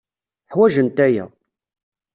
Ḥwajent aya.